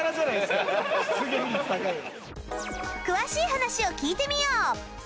詳しい話を聞いてみよう